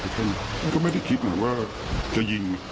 ก็ไม่ได้คิดหน่อยว่าจะยิง